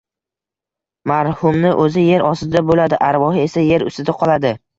Marhumni o‘zi yer ostida bo‘ladi, arvohi esa... yer ustida qoladi!